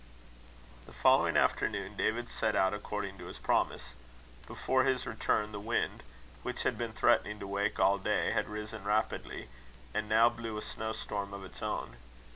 The following afternoon, David set out according to his promise. Before his return, the wind, which had been threatening to wake all day, had risen rapidly, and now blew a snowstorm of its own.